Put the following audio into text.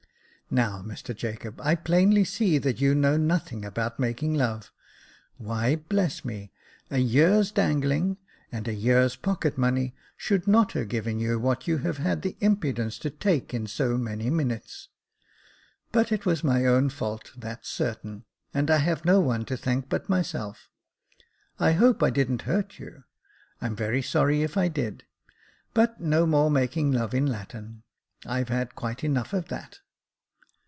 " Now, Mr Jacob, I plainly see that you know nothing about making love. Why, bless me, a year's dangling, and a year's pocket money should not have given you what you have had the impudence to take in so many minutes. But it was my own fault, that's certain, and I have no one to thank but myself. I hope I didn't hurt you — I'm very sorry if I did ; but no more making love in Latin ; I've had quite enough of that."